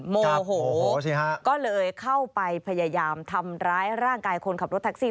โมโหสิฮะก็เลยเข้าไปพยายามทำร้ายร่างกายคนขับรถแท็กซี่